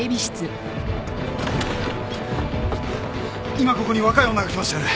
今ここに若い女が来ましたよね？